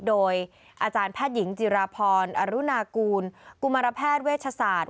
โดยอาจารย์แพทย์หญิงจิราพรอรุณากูลกุมารแพทย์เวชศาสตร์